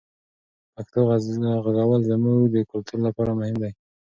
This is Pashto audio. پښتو غږول زموږ د کلتور لپاره مهم دی.